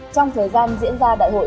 trong thời gian diễn ra đại hội